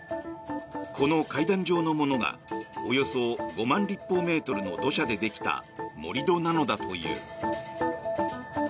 この階段状のものがおよそ５万立方メートルの土砂でできた盛り土なのだという。